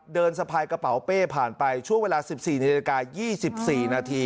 เดินสะพายกระเป๋าเป้ผ่านไปชั่วเวลาสิบสี่นิดนาติกายี่สิบสี่นาที